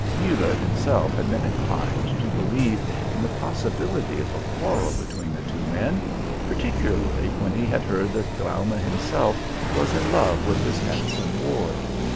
Muller himself had been inclined to believe in the possibility of a quarrel between the two men, particularly when he had heard that Graumann himself was in love with his handsome ward.